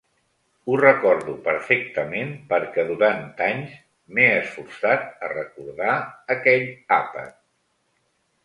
Ho recordo perfectament perquè durant anys m'he esforçat a recordar aquell àpat.